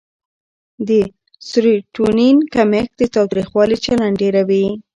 د سېرټونین کمښت د تاوتریخوالي چلند ډېروي.